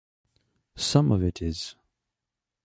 Some of it is.